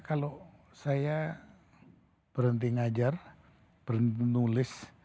kalau saya berhenti ngajar berhenti menulis